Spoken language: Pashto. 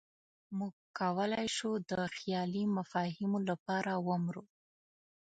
موږ کولی شو د خیالي مفاهیمو لپاره ومرو.